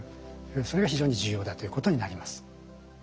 それが非常に重要だということになります。